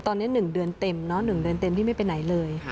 ตอนนี้๑เดือนเต็ม๑เดือนเต็มที่ไม่ไปไหนเลย